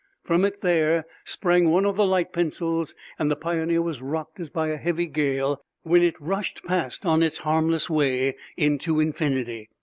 From it there sprang one of the light pencils, and the Pioneer was rocked as by a heavy gale when it rushed past on its harmless way into infinity.